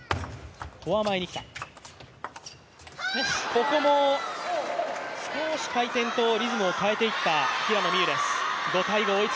ここも少し回転とリズムを変えていった平野美宇です。